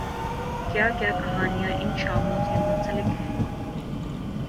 کیا کیا کہانیاںان شاموںسے منسلک ہیں۔